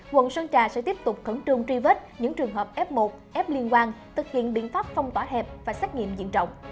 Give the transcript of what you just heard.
quận sơn trà sẽ tiếp tục khẩn trương truy vết những trường hợp f một f liên quan thực hiện biện pháp phong tỏa hẹp và xét nghiệm diện trọng